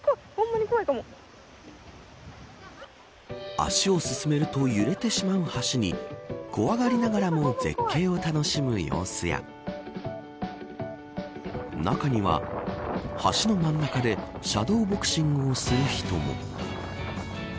足を進めると揺れてしまう橋に怖がりながらも絶景を楽しむ様子や中には、橋の真ん中でシャドーボクシングをする人も。